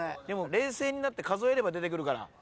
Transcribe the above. でも冷静になって数えれば出てくるから。